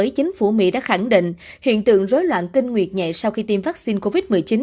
chính phủ mỹ đã khẳng định hiện tượng rối loạn kinh nguyệt nhẹ sau khi tiêm vaccine covid một mươi chín